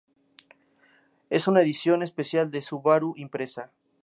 Es una edición especial del Subaru Impreza.